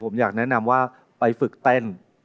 ผมอยากแนะนำว่าไปฝึกเต้น